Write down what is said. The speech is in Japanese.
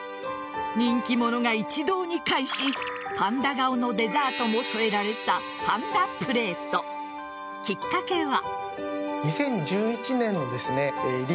人気者が一堂に会しパンダ顔のデザートも添えられたパンダプレート。きっかけは。